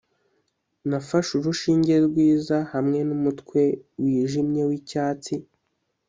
nafashe urushinge rwiza hamwe numutwe wijimye wicyatsi